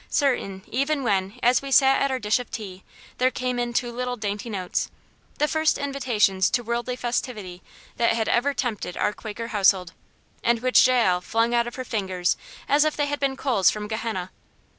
Certain, even when, as we sat at our dish of tea, there came in two little dainty notes the first invitations to worldly festivity that had ever tempted our Quaker household, and which Jael flung out of her fingers as if they had been coals from Gehenna.